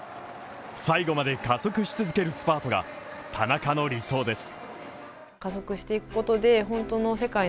最後まで加速し続けるスパートが田中の理想です。